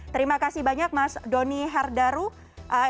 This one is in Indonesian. terima kasih banyak mas doni hardaru